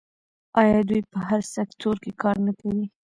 آیا دوی په هر سکتور کې کار نه کوي؟